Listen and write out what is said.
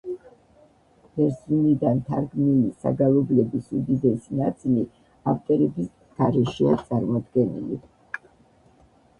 ბერძნულიდან თარგმნილი საგალობლების უდიდესი ნაწილი ავტორების გარეშეა წარმოდგენილი.